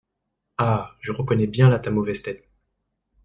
Ah ! je reconnais bien là ta mauvaise tête !